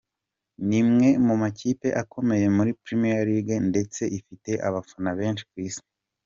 N’imwe mu makipe akomeye muri premier League ndetse ifite abafana benshi ku isi.